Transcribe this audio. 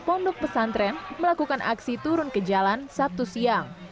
pondok pesantren melakukan aksi turun ke jalan sabtu siang